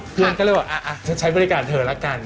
เพื่อนก็เลยบอกฉันใช้บริการเธอละกัน